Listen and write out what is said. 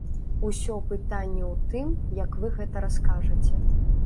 Усё пытанне ў тым, як вы гэта раскажаце.